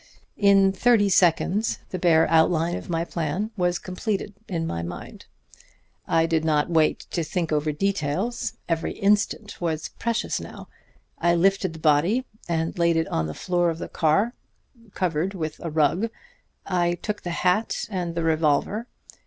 "In thirty seconds the bare outline of the plan was complete in my mind. I did not wait to think over details. Every instant was precious now; I lifted the body and laid it on the floor of the car, covered with a rug. I took the hat and the revolver.